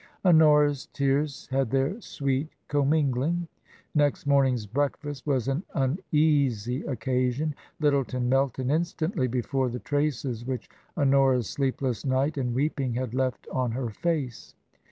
Honora's tears had their sweet commingling. Next morning's breakfast was an uneasy occasion. Lyttleton ^melted instantly before the traces which Honora's sleepless night and weeping had left on her face.